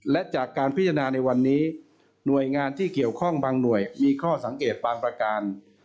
และจากการพิจารณาในวันนี้หน่วยงานที่เกี่ยวข้องบางหน่วยมีข้อสังเกตบางประการ